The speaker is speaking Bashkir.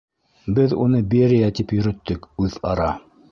Беҙ уны Берия тип йөрөттөк үҙ-ара.